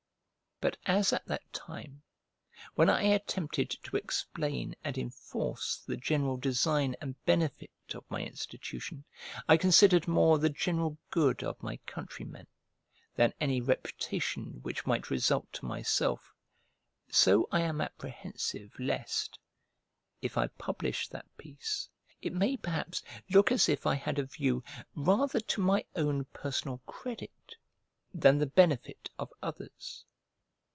But as at that time, when I attempted to explain and enforce the general design and benefit of my institution, I considered more the general good of my countrymen, than any reputation which might result to myself; so I am apprehensive lest, if I publish that piece, it may perhaps look as if I had a view rather to my own personal credit than the benefit of others.